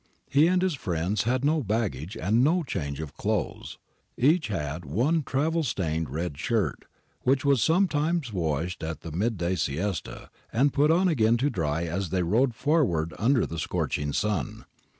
He and his friends had no baggage and no change of clothes ; each had one travel stained red shirt, which was sometimes washed at the mid day siesta, and put on again to dry as they rode forward under the scorching sun.